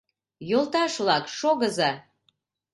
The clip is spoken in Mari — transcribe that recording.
Йолташ-влак, шогыза!